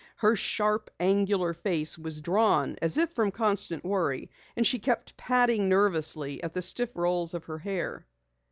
Her sharp, angular face was drawn as if from constant worry, and she kept patting nervously at the stiff rolls of her hair.